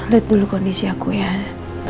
lihat dulu kondisi aku ya